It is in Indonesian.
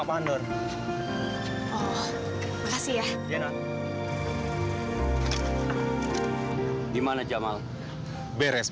pak iksan bu pak iksan